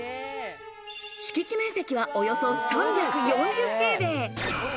敷地面積はおよそ３４０平米。